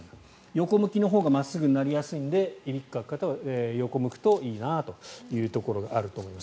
横向きのほうが真っすぐになりやすいのでいびきをかく方は横を向くといいなというところがあると思います。